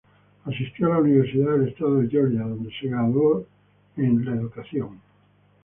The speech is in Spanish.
Asistió a la Universidad del Estado de Georgia, donde se graduó en la educación.